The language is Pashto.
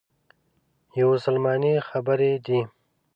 یوه سلماني خبرې دي.